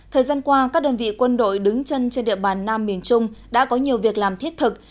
thời gian qua các đơn vị quân đội đứng chân trên địa bàn nam miền trung đã có nhiều việc làm thiết thực